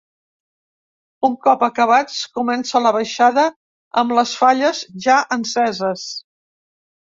Un cop acabats, comença la baixada amb les falles ja enceses.